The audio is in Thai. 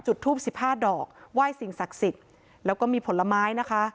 ทูบสิบห้าดอกไหว้สิ่งศักดิ์สิทธิ์แล้วก็มีผลไม้นะคะ